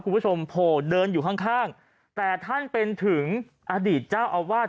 คุณผู้ชมโผล่เดินอยู่ข้างข้างแต่ท่านเป็นถึงอดีตเจ้าอาวาส